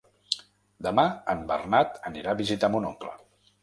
Demà en Bernat anirà a visitar mon oncle.